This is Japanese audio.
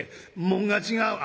「紋が違う」。